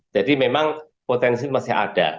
jadi memang potensi masih ada